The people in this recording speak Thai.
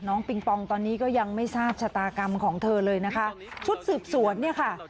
ปิงปองตอนนี้ก็ยังไม่ทราบชะตากรรมของเธอเลยนะคะชุดสืบสวนเนี่ยค่ะ